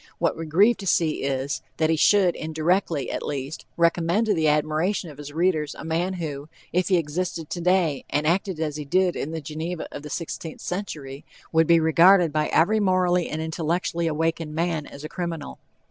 What we grieve to see is, that he should, indirectly at least, recommend to the admiration of his readers a man who, if he existed today and acted as he did in the Geneva of the sixteenth century, would be regarded by every morally and intellectually awakened man, as a criminal.